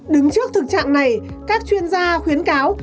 đứng trước thực trạng này các chuyên gia khuyến cáo